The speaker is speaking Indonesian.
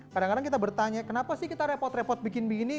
kadang kadang kita bertanya kenapa sih kita repot repot bikin begini